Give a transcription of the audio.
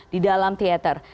di dalam teater